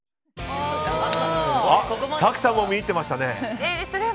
早紀さんも見入ってましたね。